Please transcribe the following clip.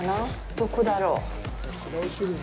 どこだろう。